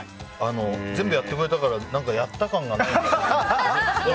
全部やってくれたからやった感がない。